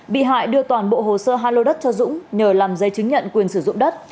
bị hại đưa toàn bộ hồ sơ hai lô đất cho dũng nhờ làm giấy chứng nhận quyền sử dụng đất